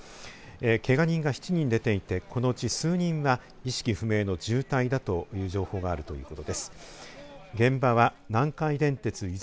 けが人が７人出ていてこのうち数人は意識不明の重体だという情報があるということです。